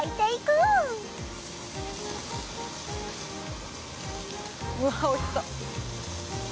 うわおいしそう。